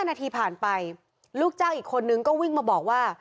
นาทีผ่านไปลูกจ้างอีกคนนึงก็วิ่งมาบอกว่า